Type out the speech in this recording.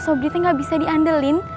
saya akan beli disini bila sajaoln